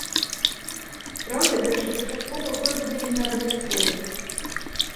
Праўда, першапачаткова курс будзе неабавязковы.